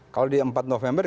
kalau di empat november